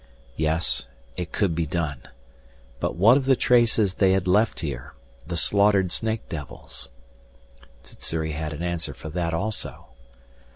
Yes, it could be done. But what of the traces they had left here the slaughtered snake devils ? Sssuri had an answer for that also.